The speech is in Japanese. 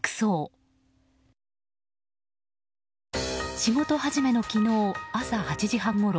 仕事始めの昨日朝８時半ごろ。